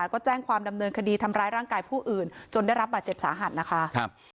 ก็แจ้งความดำเนินคดีทำร้ายร่างกายผู้อื่นจนได้รับบาดเจ็บสาหัสนะคะ